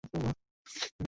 এখানে কী করছ?